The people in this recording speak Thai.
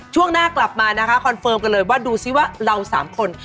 ช่วงหน้ากลับมานะคะคอนเฟิร์มกันเลยว่าดูซิว่าเราสามคน